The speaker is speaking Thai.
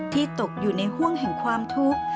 ตกอยู่ในห่วงแห่งความทุกข์